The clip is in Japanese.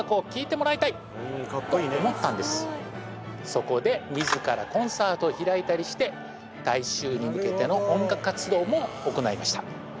そこで自らコンサートを開いたりして大衆に向けての音楽活動も行いました